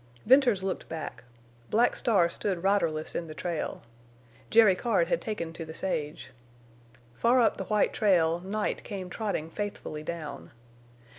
Venters looked back. Black Star stood riderless in the trail. Jerry Card had taken to the sage. Far up the white trail Night came trotting faithfully down.